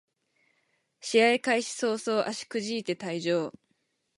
試合開始そうそう足くじいて退場